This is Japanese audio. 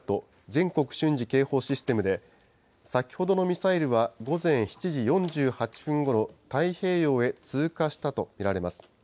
・全国瞬時警報システムで、先ほどのミサイルは午前７時４８分ごろ、太平洋へ通過したと見られます。